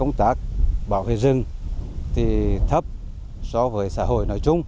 lượng nhân viên bảo vệ rừng thì thấp so với xã hội nói chung